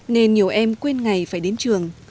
nên nhiều em quên ngày phải đến trường